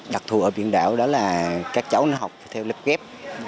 đặc thù ở biển đảo đó là các cháu nó học theo lớp ghép